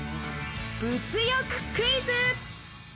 物欲クイズ！